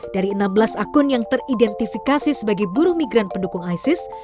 dari enam belas akun yang teridentifikasi sebagai buruh migran pendukung isis